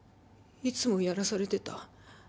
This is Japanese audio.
いつもやらされてた。